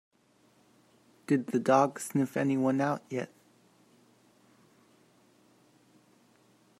Did the dog sniff anyone out yet?